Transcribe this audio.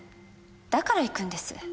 だから行くんです。